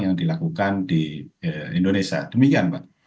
yang dilakukan di indonesia demikian pak